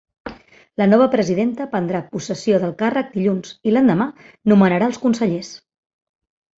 La nova presidenta prendrà possessió del càrrec dilluns i l’endemà nomenarà els consellers.